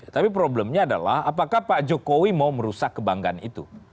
tapi problemnya adalah apakah pak jokowi mau merusak kebanggaan itu